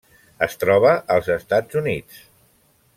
Es troba als Estats Units: